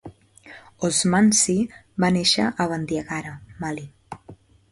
Ousmane Sy va néixer a Bandiagara, Mali.